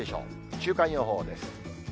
週間予報です。